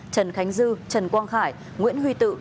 trần khánh dư trần quang khải nguyễn huy tự